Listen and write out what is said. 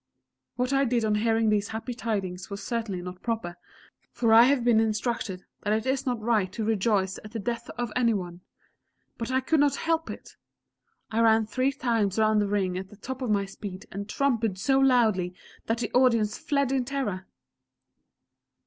What I did on hearing these happy tidings was certainly not proper, for I have been instructed that it is not right to rejoice at the death of any one ... but I could not help it! _I ran three times round the ring at the top of my speed, and trumpeted so loudly that the Audience fled in terror!